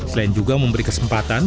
selain juga memberi kesempatan